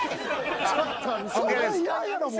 そんないらんやろもう。